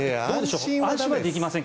安心はできませんか。